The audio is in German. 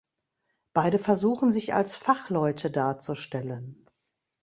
Beide versuchen sich als Fachleute darzustellen.